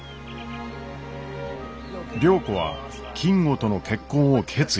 良子は金吾との結婚を決意。